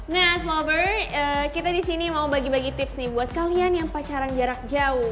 nah snover kita disini mau bagi bagi tips nih buat kalian yang pacaran jarak jauh